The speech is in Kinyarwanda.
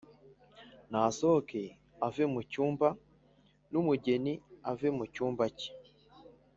nasohoke ave mu cyumba n umugeni ave mu cyumba cye